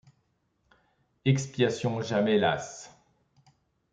Expiation jamais lasse !